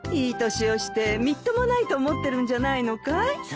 いい年をしてみっともないと思ってるんじゃないのかい？